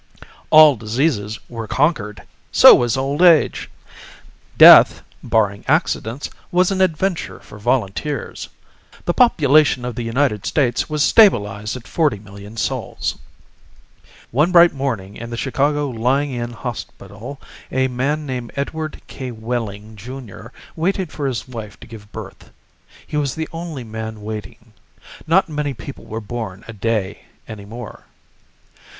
All diseases were conquered. So was old age. Death, barring accidents, was an adventure for volunteers. The population of the United States was stabilized at forty million souls. One bright morning in the Chicago Lying in Hospital, a man named Edward K. Wehling, Jr., waited for his wife to give birth. He was the only man waiting. Not many people were born a day any more.